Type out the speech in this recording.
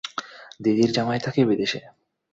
দিদির জামাই থাকে বিদেশে।